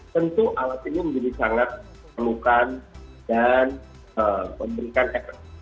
tentu alat ini menjadi sangat perlukan dan memberikan efek